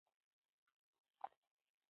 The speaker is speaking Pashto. دغه هم یوه معما ده!